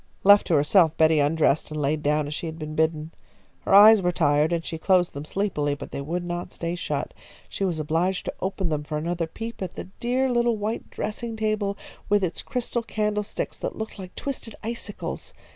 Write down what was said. Left to herself, Betty undressed and lay down as she had been bidden. Her eyes were tired and she closed them sleepily, but they would not stay shut. She was obliged to open them for another peep at the dear little white dressing table with its crystal candlesticks, that looked like twisted icicles.